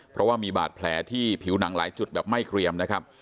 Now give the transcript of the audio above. เพราะว่ามีบาดแผลที่ผิวหนังหลายจุดแบบไม่เกรียมนะครับ